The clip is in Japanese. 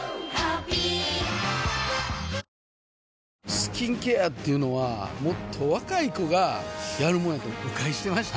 スキンケアっていうのはもっと若い子がやるもんやと誤解してました